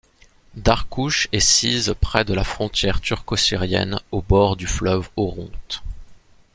Darkouch est sise près de la frontière turco-syrienne au bord du fleuve Oronte.